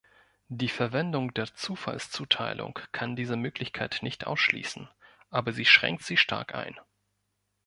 Die Verwendung der Zufallszuteilung kann diese Möglichkeit nicht ausschließen, aber sie schränkt sie stark ein.